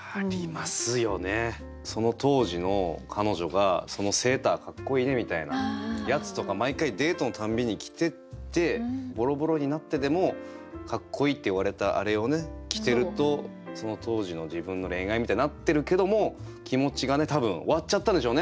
その当時の彼女が「そのセーターかっこいいね」みたいなやつとか毎回デートの度に着ててぼろぼろになってでも「かっこいい」って言われたあれをね着てるとその当時の自分の恋愛みたいになってるけども気持ちがね多分終わっちゃったんでしょうね。